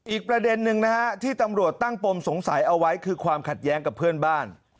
อีกประเด็นนึงนะฮะที่ตำรวจตั้งปมสงสัยเอาไว้คือความขัดแย้งกับเพื่อนบ้าน